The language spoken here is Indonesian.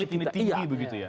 tinggi begitu ya